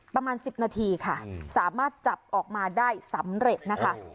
ประมาณ๑๐นาทีค่ะสามารถจับออกมาได้สำเร็จนะคะ